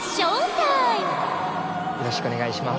よろしくお願いします。